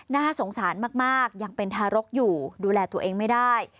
น่าสงสารมากยังเป็นทารกอยู่ดูแลตัวเองไม่ได้